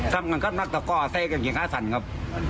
ท่านรักต่อกอสัตย์กับเกงคาสรรครับ